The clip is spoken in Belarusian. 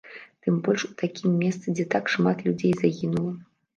Тым больш у такім месцы, дзе так шмат людзей загінула.